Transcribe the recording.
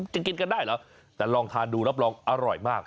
กินกันได้เหรอแต่ลองทานดูรับรองอร่อยมาก